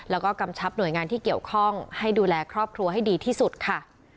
แล้วก็กำชับหน่วยงานที่เกี่ยวข้องให้ดูแลครอบครัวให้ดีที่สุดค่ะ